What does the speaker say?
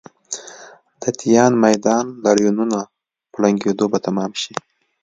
د تیان میدان لاریونونه په ړنګېدو به تمام شي.